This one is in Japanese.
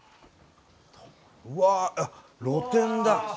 うわ露天だ！